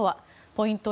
ポイント